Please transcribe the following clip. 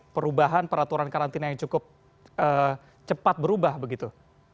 perubahan peraturan karantina yang cukup cepat berubah begitu